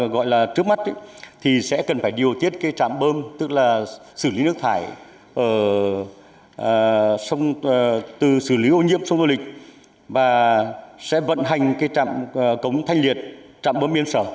gọi là trước mắt thì sẽ cần phải điều tiết cái trạm bơm tức là xử lý nước thải từ xử lý ô nhiễm sông tô lịch và sẽ vận hành cái trạm cống thanh liệt trạm bơm miên sở